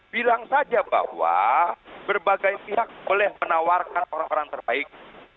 bilang saja bahwa berbagai pihak boleh menawarkan orang orang terbaik